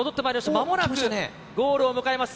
まもなくゴールを迎えます。